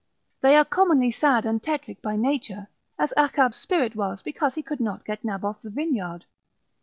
They are commonly sad and tetric by nature, as Achab's spirit was because he could not get Naboth's vineyard, (1.